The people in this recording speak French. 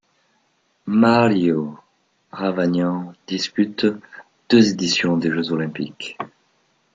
Mario Ravagnan dispute deux éditions des Jeux olympiques.